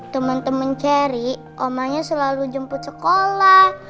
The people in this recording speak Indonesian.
temen temen cherry omanya selalu jemput sekolah